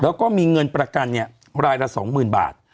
แล้วก็มีเงินประกันเนี่ยรายละสองหมื่นบาท